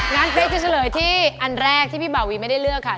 เป๊กจะเฉลยที่อันแรกที่พี่บาวีไม่ได้เลือกค่ะ